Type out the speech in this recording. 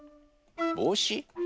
ぼうし？